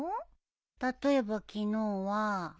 例えば昨日は。